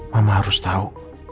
mama harus tahu